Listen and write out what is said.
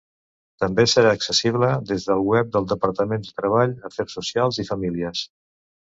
També serà accessible des del web del Departament de Treball, Afers Socials i Famílies.